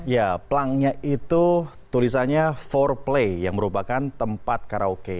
ya pelangnya itu tulisannya empat play yang merupakan tempat karaoke